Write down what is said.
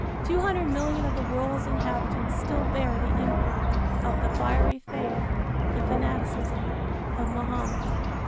Two hundred million of the world's inhabitants still bear the imprint of the fiery faith and fanaticism of Mahomet.